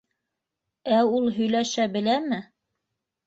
Ә ул һөйләшә беләме?